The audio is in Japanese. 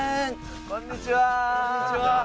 こんにちは。